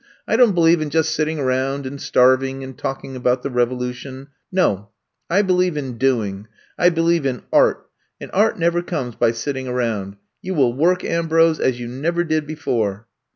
I don't believe in just sitting around and starving and talking about the revolution. No I I believe in doing. I believe in art, and art never comes by sitting around. You will work, Ambrose, as you never did before!"